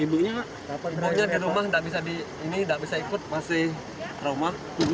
ibunya di rumah ini nggak bisa ikut masih trauma